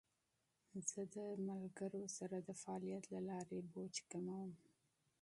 زه د دوستانو سره د فعالیت له لارې فشار کموم.